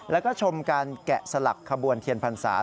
แล้วก็ชมการแกะสลักขบวนเทียนพรรษา